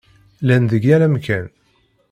Llan deg yal amkan.